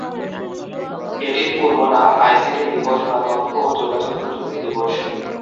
এটির পূর্ব নাম আইসিটি দিবস বা তথ্য ও যোগাযোগ প্রযুক্তি দিবস।